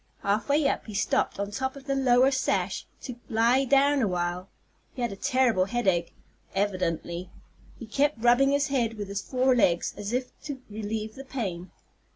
Half way up, he stopped on top of the lower sash to lie down awhile. He had a terrible headache, evidently; he kept rubbing his head with his fore legs as if to relieve the pain.